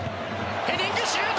ヘディングシュート！